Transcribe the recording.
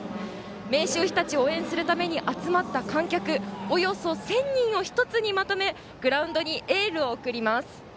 明秀日立を応援するために集まった観客およそ１０００人を１つにまとめグラウンドにエールを送ります。